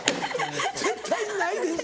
「絶対にないです」